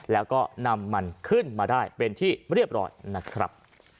แล้วก็นำมันขึ้นมาได้เป็นที่เรียบร้อยนะครับ